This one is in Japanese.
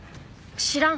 知らん。